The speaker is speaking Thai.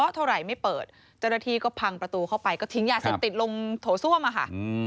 เท่าไหร่ไม่เปิดเจ้าหน้าที่ก็พังประตูเข้าไปก็ทิ้งยาเสพติดลงโถส้วมอะค่ะ